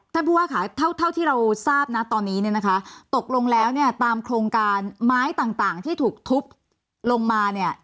ท่านผู้ว่าค่ะเท่าเท่าที่เราทราบนะตอนนี้เนี่ยนะคะตกลงแล้วเนี่ยตามโครงการไม้ต่างที่ถูกทุบลงมาเนี่ย